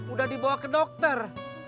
udah dibawa ke dokter